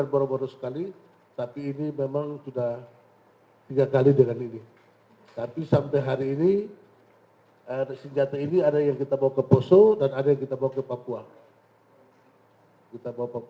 produksi cahannya kalibernya yang berbeda dengan kita